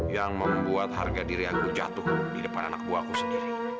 yang membuat harga diri aku jatuh di depan anak buahku sendiri